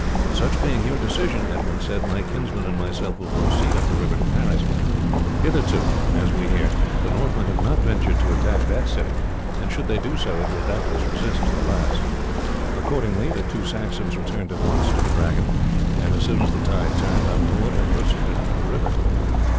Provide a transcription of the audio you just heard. "Such being your decision," Edmund said, "my kinsman and myself will proceed up the river to Paris; hitherto, as we hear, the Northmen have not ventured to attack that city, and should they do so, it will doubtless resist to the last." Accordingly the two Saxons returned at once to the Dragon, and as soon as the tide turned unmoored and proceeded up the river.